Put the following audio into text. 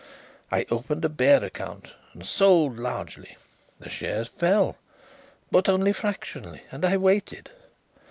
I opened a bear account and sold largely. The shares fell, but only fractionally, and I waited.